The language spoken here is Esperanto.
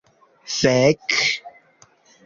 Fek'...